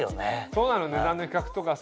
そうなの値段の比較とかさ